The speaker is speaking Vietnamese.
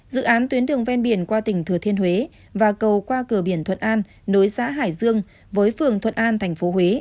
dự án tuyến đường ven biển qua tỉnh thừa thiên huế và cầu qua cửa biển thuận an nối xã hải dương với phường thuận an tp huế